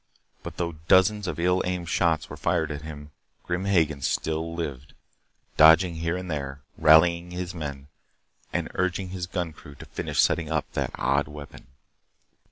But though dozens of ill aimed shots were fired at him, Grim Hagen still lived, dodging here and there, rallying his men, and urging his gun crew to finish setting up that odd weapon.